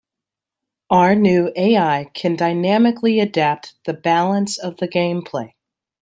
Our new AI can dynamically adapt the balance of the gameplay.